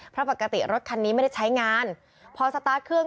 เพราะปกติรถคันนี้ไม่ได้ใช้งานพอสตาร์ทเครื่อง